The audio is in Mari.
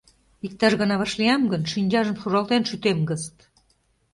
Иктаж гана вашлиям гын, шинчажым шуралтен шӱтем гыст!